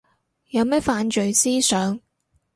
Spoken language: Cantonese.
有咩犯罪思想